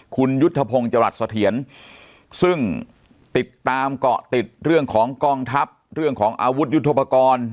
คุณยุทธพงศ์จรัสเสถียรซึ่งติดตามเกาะติดเรื่องของกองทัพเรื่องของอาวุธยุทธปกรณ์